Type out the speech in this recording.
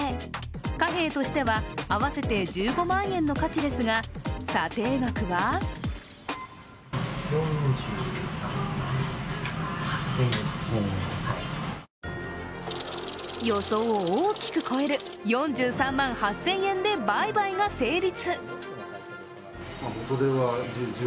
貨幣としては合わせて１５万円の価値ですが査定額は予想を大きく超える４３万８０００円で売買が成立。